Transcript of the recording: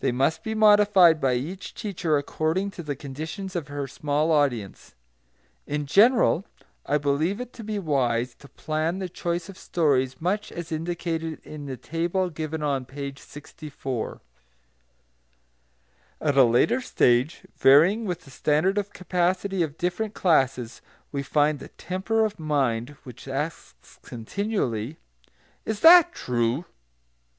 They must be modified by each teacher according to the conditions of her small audience. In general, I believe it to be wise to plan the choice of stories much as indicated in the table given on page 64. At a later stage, varying with the standard of capacity of different classes, we find the temper of mind which asks continually, "Is that true?"